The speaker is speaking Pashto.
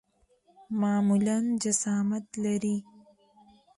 معمولاً جسامت لري.